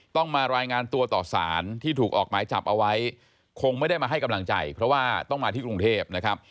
ต้องมารายงานตัวต่อสารที่ถูกออกหมายจับเอาไว้คงไม่ได้มาให้กำลังใจเพราะว่าต้องมาที่กรุงเทพนะครับ